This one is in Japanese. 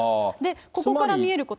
ここから見えること。